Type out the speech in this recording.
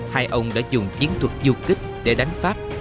hai ông đã dùng chiến thuật du kích để đánh pháp